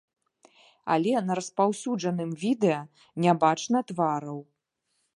Але на распаўсюджаным відэа не бачна твараў.